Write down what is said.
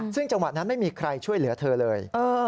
ซึ่งจังหวะนั้นไม่มีใครช่วยเหลือเธอเลย